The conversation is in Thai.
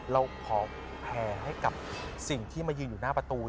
เราขอแผ่ให้กับสิ่งที่มายืนอยู่หน้าประตู